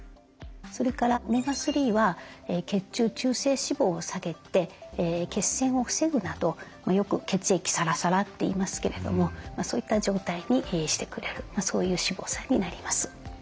それからオメガ３は血中中性脂肪を下げて血栓を防ぐなどよく血液サラサラって言いますけれどもそういった状態にしてくれるそういう脂肪酸になります。